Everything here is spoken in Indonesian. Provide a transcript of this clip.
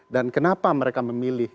dan kenapa mereka memilih